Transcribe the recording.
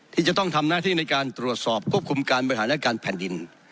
ที่จะต้องทำหน้าที่ในการตรวจสอบควบคุมการบริหารและการแผ่นดิน